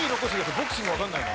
ボクシングわかんないな。